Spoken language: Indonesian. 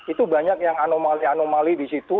itu banyak yang anomali anomali di situ